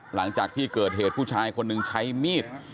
หลังจากที่เกิดเหตุผู้ชายคนหนึ่งใช้มีด